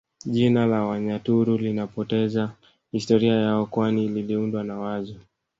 Jina la Wanyaturu linapoteza historia yao kwani liliundwa na Wazu